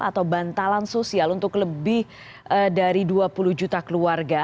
atau bantalan sosial untuk lebih dari dua puluh juta keluarga